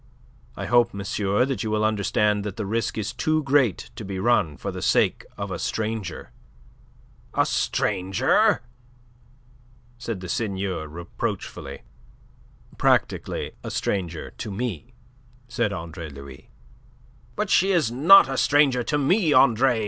I hope, monsieur, that you will understand that the risk is too great to be run for the sake of a stranger." "A stranger?" said the Seigneur reproachfully. "Practically a stranger to me," said Andre Louis. "But she is not a stranger to me, Andre.